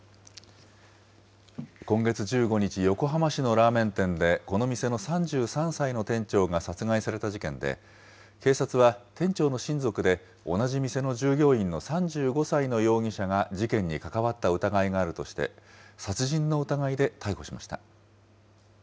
今月１５日、横浜市のラーメン店で、この店の３３歳の店長が殺害された事件で、警察は、店長の親族で同じ店の従業員の３５歳の容疑者が事件に関わった疑いがあるとして、殺人の疑いで逮捕しました。